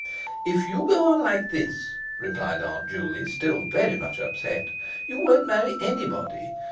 "If you go on like this," replied Aunt Juley, still very much upset, "you won't marry anybody.